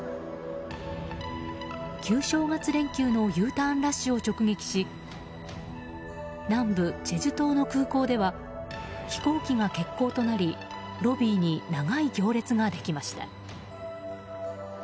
旧正月連休のＵターンラッシュを直撃し南部チェジュ島の空港では飛行機が欠航となりロビーに長い行列ができました。